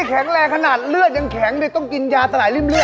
แข็งแรงขนาดเลือดยังแข็งเลยต้องกินยาสลายริ่มเลือ